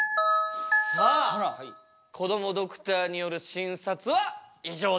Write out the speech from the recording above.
さあこどもドクターによる診察は以上です。